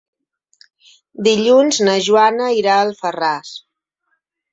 Dilluns na Joana irà a Alfarràs.